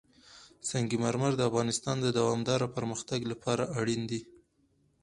سنگ مرمر د افغانستان د دوامداره پرمختګ لپاره اړین دي.